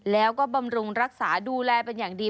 แล้วก็บำรุงรักษาดูแลเป็นอย่างดี